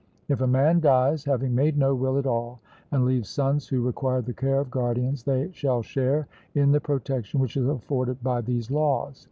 If a man dies, having made no will at all, and leaves sons who require the care of guardians, they shall share in the protection which is afforded by these laws.